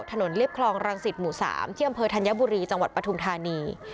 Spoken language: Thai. ถนนเรียบคลองรังศิษย์หมู่๓เจียมเภอธัญบุรีจังหวัดปทุมธานี